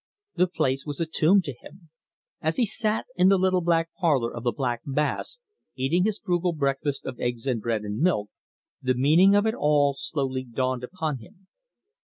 The place was a tomb to him. As he sat in the little back parlour of The Black Bass, eating his frugal breakfast of eggs and bread and milk, the meaning of it all slowly dawned upon him.